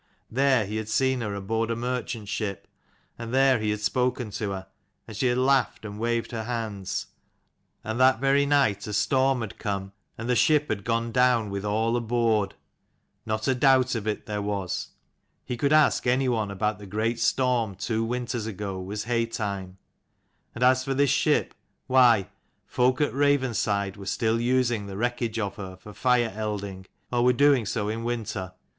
There he had seen her aboard a merchant ship, and there he had spoken to her, and she had laughed and waved her hands. And that very night a storm had come, and the ship had gone down with all aboard : not a doubt of it there was ; he could ask any one about the great storm two winters ago was haytime ; and as for this ship, why folk at Ravenside were still using the wreckage of her for fire elding, or were doing so in winter.